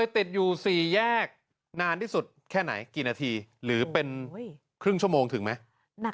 ติดอยู่๔แยกนานที่สุดแค่ไหนกี่นาทีหรือเป็นครึ่งชั่วโมงถึงไหม